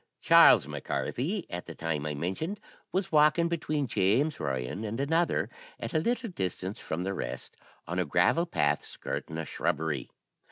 "Charles Mac Carthy, at the time I mentioned, was walking between James Ryan and another, at a little distance from the rest, on a gravel path, skirting a shrubbery.